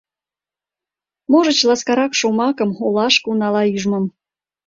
Можыч, ласкарак шомакым, олашке унала ӱжмым.